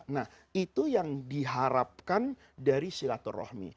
nah itu yang diharapkan dari silaturahmi